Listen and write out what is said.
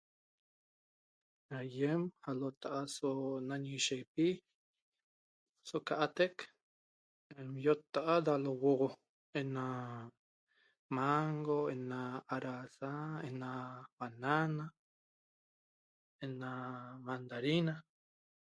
Aiem alotaa' so nañiguishepi so ca atec iottaa' da lohuo'oxo ena mango , ena araza , ena banana , ena mandarina ,